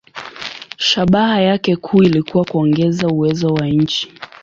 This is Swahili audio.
Shabaha yake kuu ilikuwa kuongeza uwezo wa nchi.